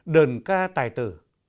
đờn ca tài tử